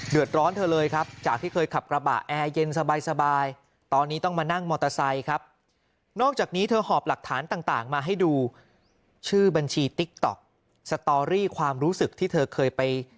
เดือดร้อนเธอเลยครับจากที่เคยขับกระบะแอร์เย็นสบาย